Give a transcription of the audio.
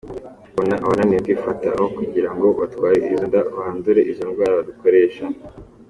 Mbona abananiwe kwifata aho kugira ngo batware izo nda, bandure izo ndwara, badukoresha.